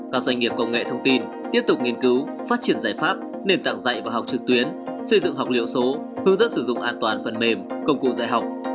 các doanh nghiệp công nghệ thông tin tiếp tục nghiên cứu phát triển giải pháp nền tảng dạy và học trực tuyến xây dựng học liệu số hướng dẫn sử dụng an toàn phần mềm công cụ dạy học